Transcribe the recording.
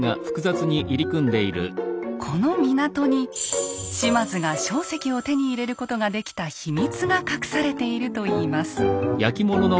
この港に島津が硝石を手に入れることができた秘密が隠されているといいます。